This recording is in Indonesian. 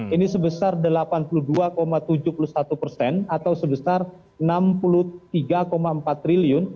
ini sebesar delapan puluh dua tujuh puluh satu persen atau sebesar rp enam puluh tiga empat triliun